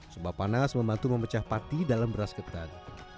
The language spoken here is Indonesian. sumba panas membantu memecah pati dalam beras ketan